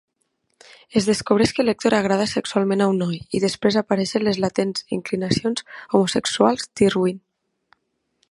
Es descobreix que l'Héctor agrada sexualment a un noi i, després, apareixen les latents inclinacions homosexuals d'Irwin.